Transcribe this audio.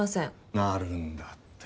なるんだって。